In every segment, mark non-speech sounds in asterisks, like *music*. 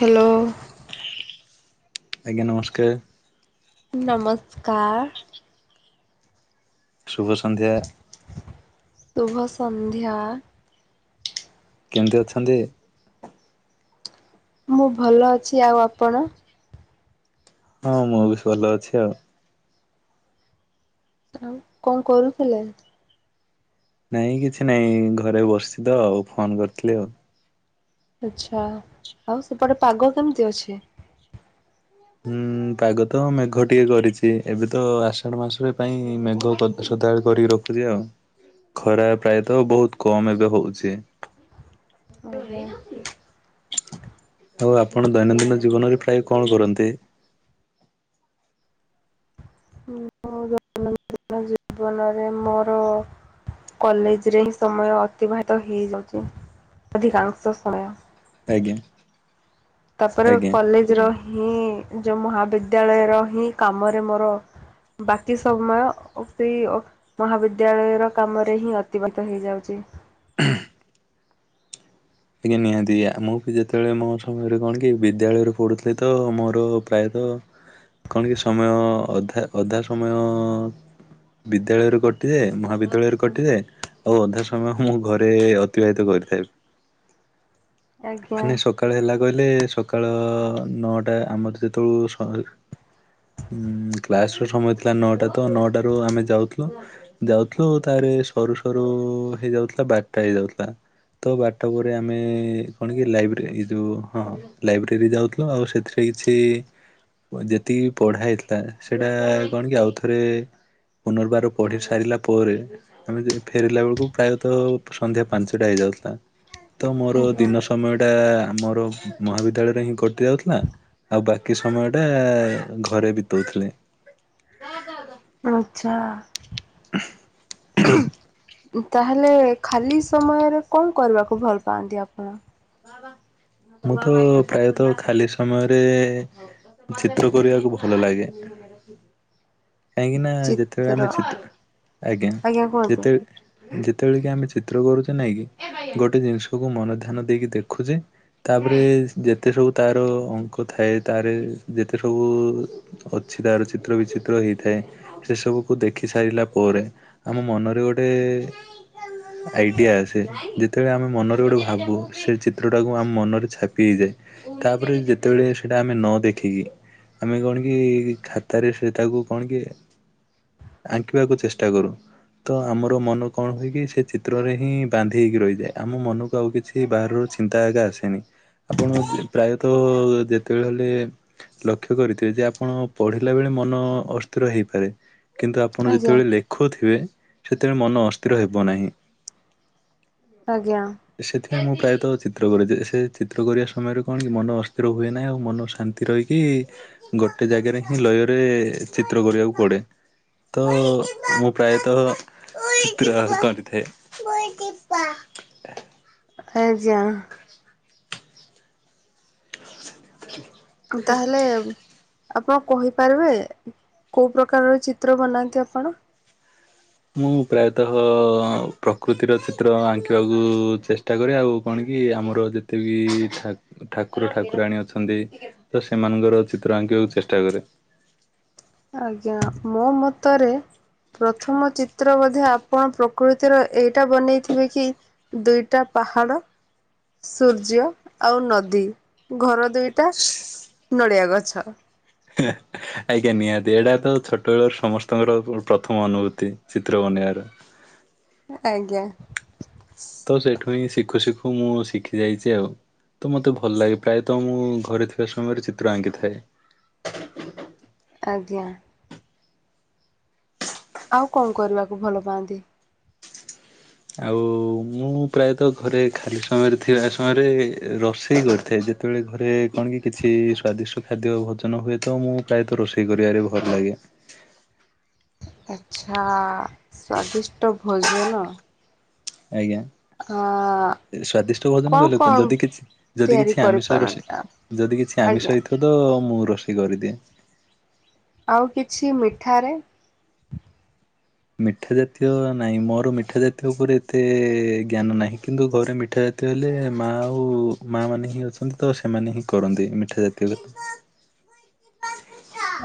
Hello. ଆଜ୍ଞା ନମସ୍କାର। ନମସ୍କାର। ଶୁଭ ସନ୍ଧ୍ୟା। ଶୁଭ ସନ୍ଧ୍ୟା। କେମିତି ଅଛନ୍ତି? ମୁଁ ଭଲ ଅଛି। ଆଉ ଆପଣ? ହଁ ମୁଁ ବି ଭଲ ଅଛି ଆଉ। ଆଉ କଣ କରୁଥିଲେ? ନାଇଁ କିଛି ନାଇଁ ଘରେ ବସିଛି ତ ଆଉ ଫୋନ କରିଥିଲି ଆଉ। ଆଛା ଆଉ ସେପଟେ ପାଗ କେମିତି ଅଛି? ହୁଁ ପାଗ ତ ମେଘ ଟିକେ କରିଛି ଏବେ ତ ଆଷାଢ ମାସରେ ପାଇଁ ମେଘ ସଦାବେଳେ କରିକି ରଖୁଛି ଆଉ ଖରା ପ୍ରାୟତଃ ବହୁତ କମ୍ ଏବେ ହଉଛି। ଆଜ୍ଞା। ଆଉ ଆପଣ ଦୈନନ୍ଦିନ ଜୀବନରେ ପ୍ରାୟ କଣ କରନ୍ତି? ହୁଁ ହଉ ଯ ଜୀବନରେ ମୋର କଲେଜରେ ହିଁ ସମୟ ଅତିବାହିତ ହେଇଯାଉଛି। ଅଧିକାଂଶ ସମୟ ଆଜ୍ଞା। ତାପରେ ଆଜ୍ଞା। କଲେଜ ର ହିଁ ଯୋଉ ମହାବିଦ୍ୟାଳୟର ହିଁ କାମରେ ମୋର ବାକି ସମୟ ଅପି ଅ ମହାବିଦ୍ୟାଳୟ ର କାମରେ ହିଁ ଅତିବାହିତ ହେଇଯାଉଛି। *inaudible* ଆଜ୍ଞା ନିହାନ୍ତି ମୁଁ ବି ଯେତେବେଳେ ମୋ ସମୟରେ କଣ କି ବିଦ୍ୟାଳୟରେ ପଢ଼ୁଥିଲି ତ ମୋର ପ୍ରାୟତଃ କଣ କି ସମୟ ଅଧା ଅଧା ସମୟ ବିଦ୍ୟାଳୟରୁ କଟିଯାଏ ମହାବିଦ୍ୟାଳୟରୁ କଟିଯାଏ। ଆଉ ଅଧା ସମୟ ମୁଁ ଘରେ ଅତିବାହିତ କରିଥାଏ। ଆଜ୍ଞା। ମାନେ ସକାଳ ହେଲା କହିଲେ ସକାଳ ନଅଟା ଆମର ସେତେବେଳୁ କ୍ଲାସ ର ସମୟ ଥିଲା ନଅଟା ତ ନଅଟା ରୁ ଆମେ ଯାଉଥିଲୁ। ଯାଉଥିଲୁ ତାରେ ସରୁ ସରୁ ହେଇଯାଉଥିଲା ବାରଟା ହେଇଯାଉଥିଲା ତ ବାର ତାପରେ ଆମେ କଣ କି ଲାଇବ୍ରେରୀ ଯେଉ ହଁ ଲାଇବ୍ରେରୀ ଯାଉଥିଲୁ ଆଉ ସେଥିରେ କିଛି ଯେତିକି ପଢା ହେଇଥିଲା ସେଇଟା କଣ କି ଆଉ ଥରେ ପୁନର୍ବାର ପଢ଼ି ସାରିଲା ପରେ ଆମେ ଫେରିଲା ବେଳକୁ ପ୍ରାୟତଃ ସନ୍ଧ୍ୟା ପାଞ୍ଚଟା ହେଇଯାଉଥିଲା। ତ ମୋର ଆଜ୍ଞା। ଦିନ ସମୟ ଟା ଆମର ମହାବିଦ୍ୟାଳୟରେ ହିଁ କଟି ଯାଉଥିଲା ଆଉ ବାକି କି ସମୟଟା ଘରେ ବିତାଉଥିଲେ। ଆଛା। ତାହେଲେ ଖାଲି ସମୟରେ କଣ କରିବାକୁ ଭଲ ପାଆନ୍ତି ଆପଣ? ମୁଁ ପ୍ରାୟତଃ ଖାଲି ସମୟରେ ଚିତ୍ର କରିବାକୁ ଭଲ ଲାଗେ। କାହିଁକି ନା ଯେତେବେଳେ ଚିତ୍ର ଆମେ ଚିତ୍ର ଆଜ୍ଞା ଯେତେବେଳେ ଯେତେବେଳେ କି ଆମେ ଚିତ୍ର କରୁଛେ ନାଇଁ କିି ଗୋଟେ ଜିନିଷକୁ ମନ ଧ୍ୟାନ ଦେଇକି ଦେଖୁଛେ ତାପରେ ଯେତେ ସବୁ ତାର ଅଙ୍କ ଥାଏ ତାର ଯେତେ ସବୁ ଅଛି ତାର ଚିତ୍ର ବିଚିତ୍ର ହେଇଛି ଥାଏ ସେସବୁକୁ ଦେଖି ସାରିଲା ପରେ ଆମ ମନରେ ଗୋଟେ ଆଇଡ଼ିଆ ଆସେ ଯେତେବେଳେ ଆମେ ମନରେ ଗୋଟେ ଭାବୁ ସେ ଚିତ୍ରଟାକୁ ଆମ ମନରେ ଛାପି ହେଇଯାଏ। ତାପରେ ଯେତେବେଳେ ସେଇଟା ଆମେ ନ ଦେଖିକି ଆମେ କଣ କି ଖାତାରେ ସେ ତାକୁ କଣ କି ଆଙ୍କିବାକୁ ଚେଷ୍ଟା କରୁ। ତ ଆମର ମନ କଣ ହୁଏକି ସେ ଚିତ୍ରରେ ହିଁ ବାନ୍ଧି ହେଇକି ରହିଯାଏ ଆମ ମନକୁ ଆଉ କିଛି ବାହାରର ଚିନ୍ତା ଏକା ଆସେନି ଆପଣ ପ୍ରାୟତଃ ଯେତେବେଳେ ହେଲେ ଲକ୍ଷ କରିଥିବେ ଯେ ଆପଣ ପଢିଲା ବେଳେ ମନ ଅ ହେଇପାରେ କିନ୍ତୁ ଆପଣ ଆଜ୍ଞା ଯେତେବେଳେ ଲେ ଦୁଃଖ ଥିବେ ସେଥିବେଳେ ମନ ଅସ୍ଥିର ହେବ ନାହିଁ। ଆଜ୍ଞା ସେଥିପାଇଁ ମୁଁ ପ୍ରାୟତଃ ଚିତ୍ର କରିଦିଏ ସେ ଚିତ୍ର କରିବା ସମୟରେ କଣ କି ମନ ଅସ୍ଥିର ହୁଏ ନାହିଁ ମନ ଶାନ୍ତି ଏଥି ରହିକି ଗୋଟେ ଜାଗାରେ ହିଁ ଲୟରେ ଚିତ୍ର କରିବାକୁ ପଡେ। ତ ମୁଁ ପ୍ରାୟତଃ କାହାର କରିଥାଏ। ଆଜ୍ଞା। ତାହେଲେ ଆପଣ କହିପାରିବେ କୋଉ ପ୍ରକାରର ଚିତ୍ର ବନାନ୍ତି ଆପଣ? ମୁଁ ପ୍ରାୟତଃ ପ୍ରକୃତିର ଚିତ୍ର ଆଙ୍କିବାକୁ ଚେଷ୍ଟା ଚେଷ୍ଟା କରେ ଆଉ କଣ କି ଆମର ଯେତେ ବିି ଠାକୁର ଠାକୁରାଣୀ ଅଛନ୍ତି। ତ ସେମାନଙ୍କର ଚିତ୍ର ଆଙ୍କିବାକୁ ଚେଷ୍ଟା କରେ। ଆଜ୍ଞା ମୋ ମତରେ ପ୍ରଥମ ଚିତ୍ର ବଧେ ଆପଣ ପ୍ରକୃତିର ଏଇଟା ବନେଇଥିବେ କି? ଦୁଇଟା ପାହାଡ ସୂର୍ଯ୍ୟ ଆଉ ନଦୀ ଘର। ଦୁଇଟା ନଡ଼ିଆ ଗଛ। *unintelligible* ଆଜ୍ଞା ନିହାତି ଏଇଟା ତ ଛୋଟ ବଳର ସମସ୍ତଙ୍କର ପ୍ରଥମ ଅନୁଭୂତି ଚିତ୍ର ବନେଇବାର। ଆଜ୍ଞା। ତ ସେଠୁ ହିଁ ଶିଖୁ ଶିଖୁ ମୁଁ ଶିଖି ଯାଇଛି ଆଉ। ତ ମୋତେ ଭଲ ଲାଗେ ପ୍ରାୟତଃ ମୁଁ ଘରେ ଥିବା ସମୟରେ ଚିତ୍ର ଆଙ୍କିଥାଏ। ଆଜ୍ଞା। ଆଉ କଣ କରିବାକୁ ଭଲ ପାଆନ୍ତି? ଆଉ ମୁଁ ପ୍ରାୟତଃ ଘରେ ଖାଲି ସମୟରେ ଥିବା ସମୟରେ ରୋଷେଇ କରିଥାଏ ଯେ ସେତେବେଳେ ଘରେ କଣ କି କିଛି ସ୍ଵାଦିଷ୍ଟ ଖାଦ୍ୟ ଭୋଜନ ହୁଏ ତ ମୁଁ ପ୍ରାୟତଃ ରୋଷେଇ କରିବାରେ ଭଲ ଲାଗେ। ଆଚ୍ଛା ସ୍ବାଦିଷ୍ଟ ଭୋଜନ। ଆଜ୍ଞା। ଆ ସ୍ଵାଦିଷ୍ଟ ଭୋଜନ କଣ କହିଲୋକ କଣ ଯଦି କିଛି ଯଦି ତିଆରି କିଛି ଆମିଷ ରୋଷେଇ କରିପାରନ୍ତି ଆ ଯଦି କିଛି ଆଜ୍ଞା। ଆମିଷ ହେଇଥିବ ତ ମୁଁ ରୋଷେଇ କରିଦିଏ। ଆଉ କିଛି ମିଠାରେ? ମିଠା ଜାତୀୟ ନାହିଁ ମୋର ମିଠା ଜାତୀୟ ଉପରେ ଏତେ ଜ୍ଞାନ ନାହିଁ କିନ୍ତୁ ଘରେ ମିଠା ଜ- ଯେତେହଲେ ମା ଆଉ ମାଆ ମାନ ହିଁ ଅଛନ୍ତି ତ ସେମାନେ ହିଁ କରନ୍ତି ମିଠା ଜାତୀୟ କଥା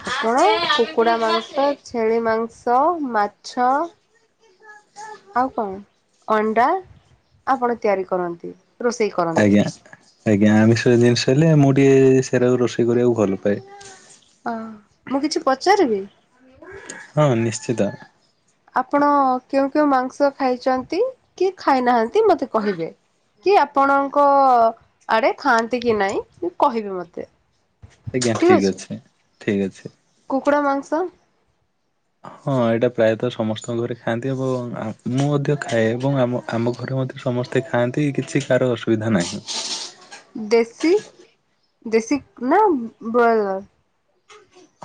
ଆପଣ କୁକୁଡ଼ା ମାଂସ ଛେଳି ମାଂସ ମାଛ। ଆଉ କଣ ଅଣ୍ଡା ଆପଣ ତିଆରି କରନ୍ତି। ରୋଷେଇ କରନ୍ତି। ଆଜ୍ଞା ଆଜ୍ଞା ଆମିଷ ଜିନିଷ ହେଲେ ମୁଁ ଟିକେ ସେଟା ରୋଷେଇ କରିବାକୁ ଭଲ ପାଏ। ଓ ମୁଁ କିଛି ପଚାରିବି। ହଁ ନିଶ୍ଚିତ। ଆପଣ କେଉଁ କେଉଁ ମାଂସ ଖାଇଛନ୍ତି କି ଖାଇନାହାନ୍ତି। ମତେ କହିବେ କି ଆପଣଙ୍କ ଆରେ ଖାଆନ୍ତି କି ନାଇଁ କହିବି ମତେ। ଆଜ୍ଞା ଠିକ ଅଛି ଠିକ ଅଛି। କୁକୁଡ଼ା ମାଂସ। ହଁ ଏଇଟା ପ୍ରାୟତଃ ସମସ୍ତଙ୍କ ଘରେ ଖାଆନ୍ତି ଏବଂ ମୁଁ ମଧ୍ୟ ଖାଏ ଏବଂ ଆମ ଆମ ଘରେ ମଧ୍ୟ। ସମସ୍ତେ ଖାଆନ୍ତି କିଛି କାହାର ଅସୁବିଧା ନାହିଁ। ଦେଶୀ ଦେଶୀ ନା ବ୍ରଏଲର।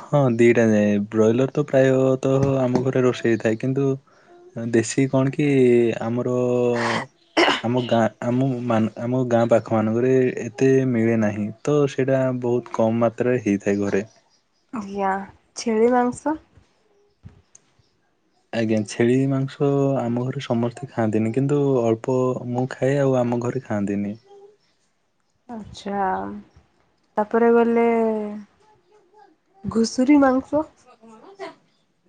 ହଁ ଦିଟା ଯାଏ ବ୍ରଏଲର ତ ପ୍ରାୟତଃ ଆମ ଘରେ ରୋଷେଇ ହେଥାଏ କିନ୍ତୁ। ହଁ ଦେଶୀ କଣ କି ଆମର। ଆମ ଗାଁ ଆମ ମା ଗାଁ ପାଖମାନାନଙ୍କରେ ଏତେ ମିଳେ ନାହିଁ। ତ ସେଇଟା ବହୁତ କମ୍ ମାତ୍ରାରେ ହେଇଥାଏ ଘରେ। ଆଜ୍ଞା ଛେଳି ମାଂସ। ଆଜ୍ଞା ଛେଳି ମାଂସ ଆମ ଘରେ ସମସ୍ତେ ଖାଆନ୍ତିନି କିନ୍ତୁ ଅଳ୍ପ ମୁଁ ଖାଏ ଆଉ ଆମ ଘରେ। ଖାନ୍ତିିନି। ଆଚଛା ତାପରେ ଗଲେ। ଘୁସୁୁର ମାଂସ।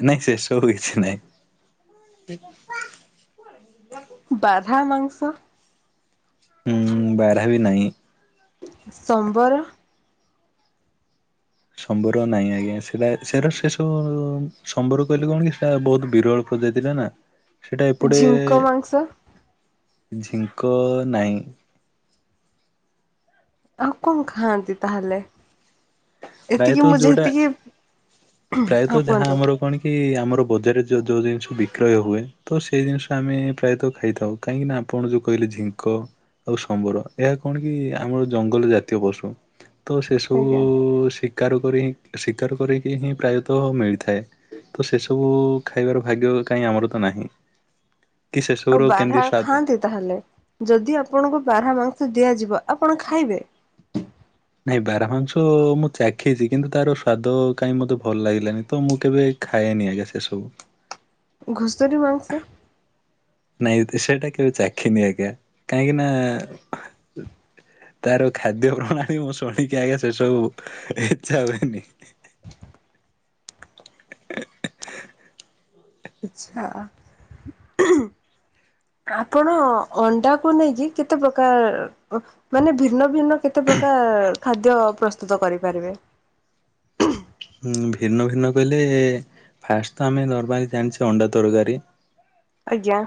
ନାଇଁ ସେ ସବୁ କିଛି ନାଇଁ। ବାହ୍ରା ମାଂସ। ଉଁ ହୁଁ ବାହ୍ରା ବି ନାହିଁ। ସମ୍ବର। ସମ୍ବର ନାଇଁ ଆଜ୍ଞା ସେଟା ସେ ସେ ସବ ସମ୍ବର କହିଲେ କଣ କି ସେଟା ବହୁତ ବିରଳ *inaudible* ନା ସେଇଟା ଏପଟେ। ଝିଙ୍କ ମାଂସ ଝିଙ୍କ ନାହିଁ। ଆଉ କଣ ଖାଆନ୍ତି ତାହେଲେ। ଏତିକି ପ୍ରାୟତଃ ମୁଁ ଯୋଉଟା ଯେତିକି ହଁ କୁହନ୍ତୁ। ଏଇ ଆମର ବଜାରରେ ଯୋଉ ଯୋଉ ଜିନିଷ ବିକ୍ରୟ ହୁଏ। ତ ସେଇ ଜିନିଷ ଆମେ ପ୍ରାୟତଃ ଖାଇଥାଉ କାହିଁକି ନା ଆପଣ ଯୋଉ କହିଲେ ଝିଙ୍କ। ଆଉ ସମ୍ବର ଏହା କଣ କି ଆମର ଜଙ୍ଗଲ ଜାତୀୟ ପଶୁ ତ ସେ ସବୁ ଆଜ୍ଞା। ଶିକାର କରିି ଶିକାର କରିକି ହିଁ ପ୍ରାୟତଃ ମିଳିଥାଏ। ଆଉ ସେ ସବୁ ଖାଇବାର ଭାଗ୍ୟ କାହିଁ ଆମର ତ ନାହିଁ। କି ସେ ଆଉ ସବୁର ବାରହା କେନ୍ତି ସ୍ୱଦ ଖାଆନ୍ତି ତାହେଲେ ଯଦି ଆପଣଙ୍କୁ ବାହ୍ରା ମାଂସ ଦିଆଯିବ ଆପଣ ଖାଇବେ। ନାଇଁ ବାହ୍ରା ମାଂସ ମୁଁ ଚାଖିଛି କିନ୍ତୁ ତାର ସ୍ଵାଦ କାଇହିଁ ମୋତେ ଭଲ ଲାଗିଲାନି ତ ମୁଁ କେବେ। ଖାଏନି ଆଜ୍ଞା ସେ ସବୁ। ଘୁଷରି ମାଂସ। ନାଇଁ ସେଇଟା କେବେ ଚାଖିନି ଆଜ୍ଞା କାହିଁକି ନା ତାର ଖାଦ୍ୟ ପ୍ରଣାଳୀ ମୁଁ ଶୁଣିକି ଆଜ୍ଞା ସେ ସବୁ ଇଚଛା ହୁଏନି। ଆଚ୍ଛା। ଆପଣ ଅଣ୍ଡାକୁ ନେଇକି କେତେ ପ୍ରକାର ମାନେ ଭିନ୍ନ ଭିନ୍ନ କେତେ ପ୍ରକାର ଖାଦ୍ୟ ପ୍ରସ୍ତୁତ କରିପାରିବେ। ହୁଁ ଭିନ୍ନ ଭିନ୍ନ କହିଲେ ଫାଷ୍ଟ ତ ଆମେ ନର୍ମାଲି ଜାଣିଛେ ଅଣ୍ଡା ତରକାରୀ। ଆଜ୍ଞା।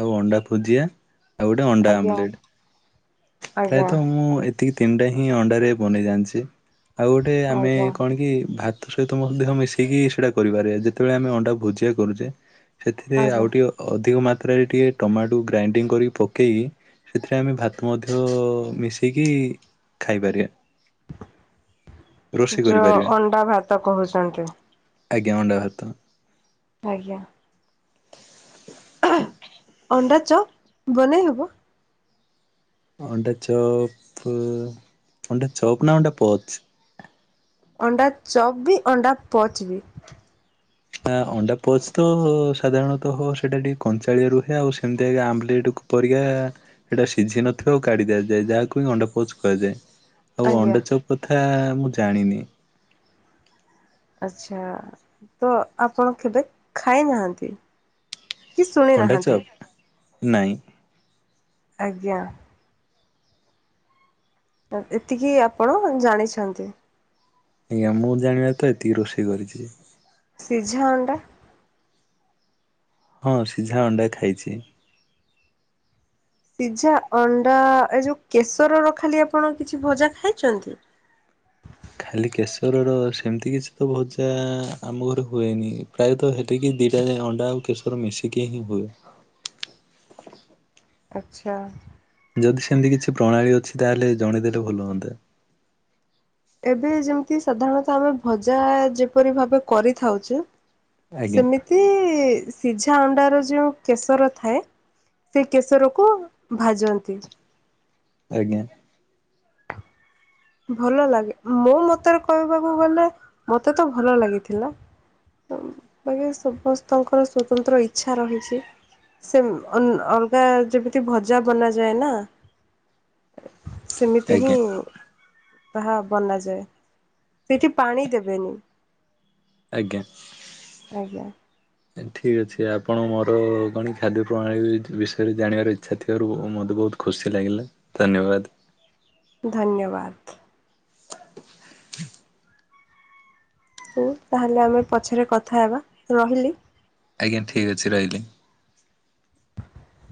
ଆଉ ଅଣ୍ଡା ଭୁଜିଆ ଆଉ ଗୋଟେ ଅଣ୍ଡା ଆଜ୍ଞା ଆମ୍ଲେଟ। ଆଜ୍ଞା ପ୍ରାୟତଃ ମୁଁ ଏତିକି ତିନିଟା ହିଁ ଅଣ୍ଡାରେ ବନେଇ ଜାଣିଚି। ଆଉ ଗୋଟେ ଆମେ ଆଜ୍ଞା କଣ କି ଭାତ ତା ସହିତ ଦେହ ମିଶେଇିକି ସେଇଟା କରିପାରିବା ଯେତେବେଳେ ଆମେ ଅଣ୍ଡା ଭୁଜିଆ କରୁଛେ ସେଥିରେ ଆଉ ଆଜ୍ଞା। ଟିକେ ଅଧିକ ମାତ୍ରାରେ ଟିକେ ଟମାଟକୁ ଗ୍ରାଇଣ୍ଡିଙ୍ଗ କରିକି ପକେଇକି ସେଥିରେ ଆମେ ଭାତ ତ ମଧ୍ୟ ମିଶେଇକି ଖାଇପାରିବା। ରୋଷେଇ ଯୋଉ କରିପାରିବା। ଅଣ୍ଡା ଭାତ କହୁଛନ୍ତି। ଆଜ୍ଞା ଅଣ୍ଡା ଭାତ। ଆଜ୍ଞା। ଅଣ୍ଡା ଚପ ବନେଇ ହବ? ଅଟେ ଚୋପ ଅଣ୍ଡା ଚୋପ ନା ଅଣ୍ଡା ପଚ୍? ଅଣ୍ଡା ଚପ ବି ଅଣ୍ଡା ପଚ୍ ବି। ଆ ଅଣ୍ଡା ପଚ୍ ତ ସାଧାରଣତଃ ସେଇଟା ଟିକେ କଞ୍ଚାଳିଆ ରୁହେ ଆଉ ସେମତି ଆଜ ଆମ୍ବଲେଟକୁ ପରିକା ସେଇଟା ସିଝି ନଥିବ ଆଉ କାଢି ଦିଆଯାଏ ଯାହାକୁ ହିଁ ଅଣ୍ଡାପୋଚ କୁହାଯାଏ। ଆଉ ଆଜ୍ଞା। ଅଣ୍ଡଚପ କଥା ମୁଁ ଜାଣିନି। ଆଚ୍ଛା ତ ଆପଣ କେବେ ଖାଇନାହାନ୍ତି? କି ଶୁଣି ନାହାନ୍ତି? ଅଣ୍ଡାଚପ ନାଇଁ। ଆଜ୍ଞା। ଏତିକି ଆପଣ ଜାଣିଛନ୍ତି। ଆଜ୍ଞା ମୁଁ ଜାଣିବାରେ ତ ଏତିକି ରୋଷେଇ କରିଚି। ସିଝା ଅଣ୍ଡା? ହଁ ସିଝା ଅଣ୍ଡା ଖାଇଚି। ସିଝା ଅଣ୍ଡା ଏ ଯଉଁ କେଶରର ଖାଲି ଆପଣ କିଛି ଭଜା ଖାଇଛନ୍ତି? ଖାଲି କେଶରର ସେମିତି କିଛି ତ ଭଜା ଆମ ଘରେ ହୁଏନି। ପ୍ରାୟତଃ ସେତିକି ଦିଟା ଯାଏ ଅଣ୍ଡା ଆଉ କେଶର ମିଶିକି ହିଁ ହୁଏ। ଆଚ୍ଛା। ଯଦି ସେମିତି କିଛି ପ୍ରଣାଳୀ ଅଛି ତାହେଲେ ଜଣେଇଦେଲେ ଭଲ ହୁଅନ୍ତା। ଏବେ ଯେମତି ସାଧାରଣତଃ ଆମେ ଭଜା ଯେପରି ଭାବେ କରିଥାଉଚୁ ଆଜ୍ଞା ସେମିତି ସିଝା ଅଣ୍ଡାର ଯୋଉ କେଶର ଥାଏ ସେ କେଶରକୁ ଭାଜନ୍ତି। ଆଜ୍ଞା। ଭଲ ଲାଗେ ମମୋ ମତରେ କହିବାକୁ ଗଲେ ମତେ ତ ଭଲ ଲାଗିଥିଲା। ହୁଁ ବାକି ସମସ୍ତଙ୍କର ସ୍ୱତନ୍ତ୍ର ଇଚ୍ଛା ରହିଚି। ସେ ଅ - ଅ ଅଲଗା ଯେମିତି ଭଜା ବନାଯାଏ ନା ସେମିତି ହିଁ ଆଜ୍ଞା ତାହା ବନାଯାଏ। ସେଠି ପାଣି ଦେବେନି। ଆଜ୍ଞା। ଆଜ୍ଞା। ଠିକ୍ ଅଛି ଆପଣ ମୋର କଣ ଖାଦ୍ୟ ପ୍ରଣାଳୀ ବିଷୟରେ ଜାଣିବାର ଇଚ୍ଛା ଥିବାରୁ ମୋତେ ବହୁତ ଖୁସି ଲାଗିଲା ଧନ୍ୟବାଦ। ଧନ୍ୟବାଦ। *inaudible* ହୁ ତାହେଲେ ଆମେ ପଛରେ କଥା ହେବା ରହିଲି। ଆଜ୍ଞା ଠିକ ଅଛି ରହିଲି। *inaudible*